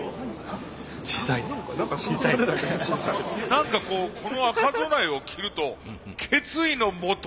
何かこうこの赤備えを着ると決意のもと